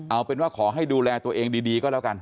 เอาเป็นว่าขอให้ดูแลตัวเองดีก็แล้วกัน